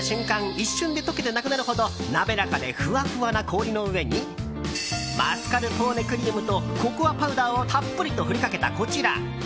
一瞬でとけてなくなるほど滑らかで、ふわふわな氷の上にマスカルポーネクリームとココアパウダーをたっぷりと振りかけた、こちら。